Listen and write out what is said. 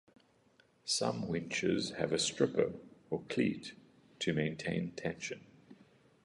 Some winches have a "stripper" or cleat to maintain tension.